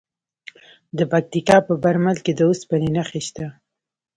د پکتیکا په برمل کې د اوسپنې نښې شته.